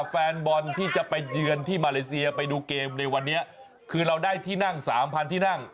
แฟนบอลที่จะไปเยือนที่มาเลเซียไปดูเกมในวันนี้คือเราได้ที่นั่งสามพันที่นั่ง